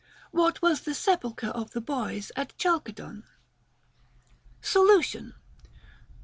What was the Sepulchre of the Boys at Chalcedon \ Solution.